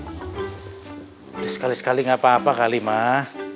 ada sekali sekali gak papa kali mah